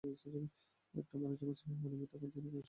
একটা মানুষ যখন সিনেমা বানাবেন, তখন তিনি অবশ্যই চাইবেন, সবাই দেখুক।